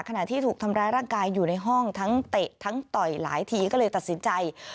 ขณะที่ถูกทำร้ายร่างกายอยู่ในห้องทั้งเตะทั้งต่อยหลายทีก็เลยตัดสินใจ